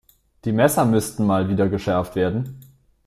Die Messer müssten Mal wieder geschärft werden.